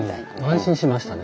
安心しましたね